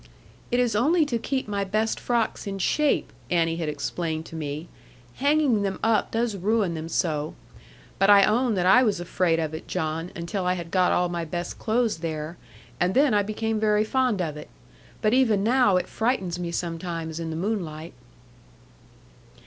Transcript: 'It is only to keep my best frocks in shape,' Annie had explained to me; 'hanging them up does ruin them so. But I own that I was afraid of it, John, until I had got all my best clothes there, and then I became very fond of it. But even now it frightens me sometimes in the moonlight.'